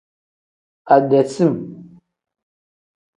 Ade sim.